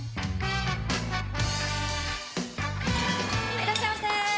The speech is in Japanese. いらっしゃいませはい！